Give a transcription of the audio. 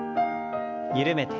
緩めて。